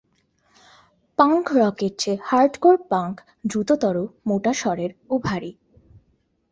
Punk রকের চেয়ে hardcore punk দ্রুততর, মোটা স্বরের ও ভারী।